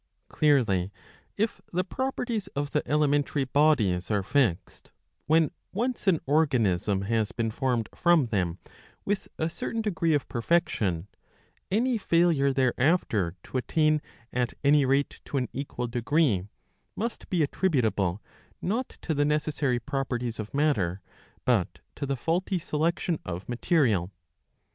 Clearly, if the properties of the elementary bodies are fixed, when once an organism has been formed from them with a certain degree of perfection, any failure thereafter to attain at any rate to an equal degree must be attributable not to the necessary properties I of matter, but to the faulty selection of material.